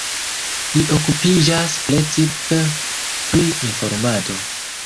Li okupiĝas precipe pri informado.